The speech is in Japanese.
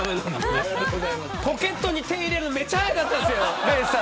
ポケットに手、入れるのめちゃ速かったですよ。